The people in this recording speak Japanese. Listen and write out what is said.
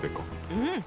うん。